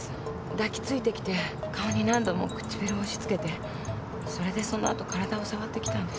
抱きついてきて顔に何度も唇を押しつけてそれでそのあと体を触ってきたんです。